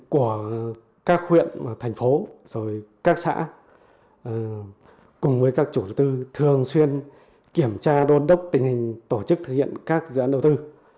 của các huyện thành phố các xã cùng với các chủ tư thường xuyên kiểm tra đôn đốc tình hình tổ chức thực hiện các dự án đầu tư